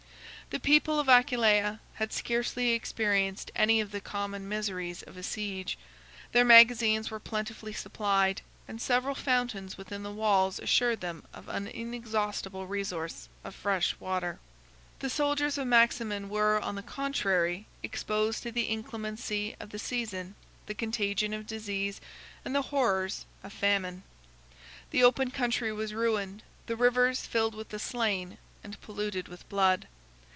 The people of Aquileia had scarcely experienced any of the common miseries of a siege; their magazines were plentifully supplied, and several fountains within the walls assured them of an inexhaustible resource of fresh water. The soldiers of Maximin were, on the contrary, exposed to the inclemency of the season, the contagion of disease, and the horrors of famine. The open country was ruined, the rivers filled with the slain, and polluted with blood.